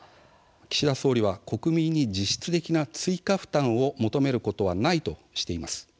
岸田総理は国民に実質的な追加負担を求めることはないとしています。